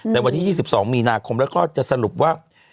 ในวันที่๒๒มีนาคมแล้วก็จะสรุปว่า